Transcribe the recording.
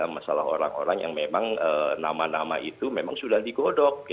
masalah orang orang yang memang nama nama itu memang sudah digodok